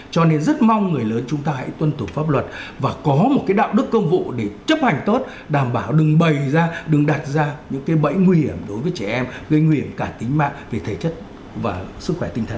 cho nên rất mong người lớn chúng ta hãy tuân thủ pháp luật và có một cái đạo đức công vụ để chấp hành tốt đảm bảo đừng bày ra đừng đặt ra những cái bẫy nguy hiểm đối với trẻ em gây nguy hiểm cả tính mạng về thể chất và sức khỏe tinh thần